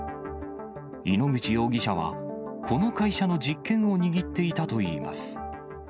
井ノ口容疑者は、この会社の実権を握っていたといいます。